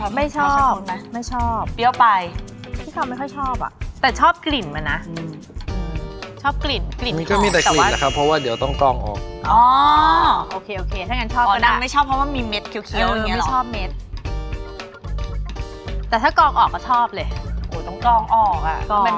ก็เริ่มจากตวงนมที่ผสมกับไวท์ช็อกโกแลตแล้วก่อนนะครับ